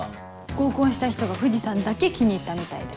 合コンした人が藤さんだけ気に入ったみたいで。